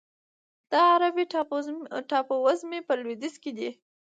دا د عربي ټاپوزمې په لویدیځ کې دی.